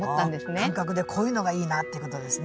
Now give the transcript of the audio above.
感覚でこういうのがいいなってことですね。